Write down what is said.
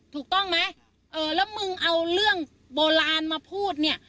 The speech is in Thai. ถูกต้องไหมเออแล้วมึงเอาเรื่องโบราณมาพูดเนี่ย